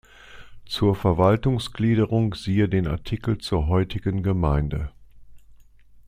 Zur Verwaltungsgliederung siehe den Artikel zur heutigen Gemeinde.